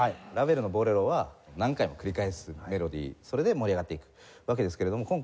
ラヴェルの『ボレロ』は何回も繰り返すメロディーそれで盛り上がっていくわけですけれども。